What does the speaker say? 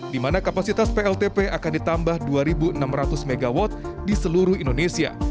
di mana kapasitas pltp akan ditambah dua enam ratus mw di seluruh indonesia